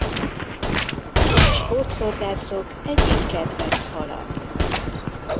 A sporthorgászok egyik kedvenc hala.